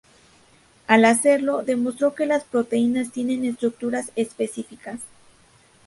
Al hacerlo, demostró que las proteínas tienen estructuras específicas.